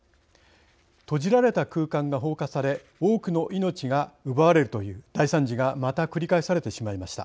閉じられた空間が放火され多くの命が奪われるという大惨事がまた繰り返されてしまいました。